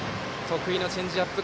得意のチェンジアップ。